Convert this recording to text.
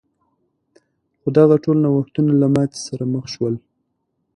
خو دغه ټول نوښتونه له ماتې سره مخ شول.